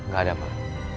gak ada pak